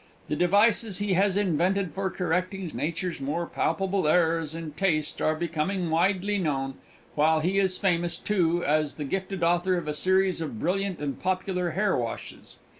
The devices he has invented for correcting Nature's more palpable errors in taste are becoming widely known, while he is famous, too, as the gifted author of a series of brilliant and popular hairwashes.